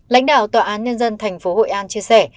lãnh đạo tòa án nhân dân tp hội an chia sẻ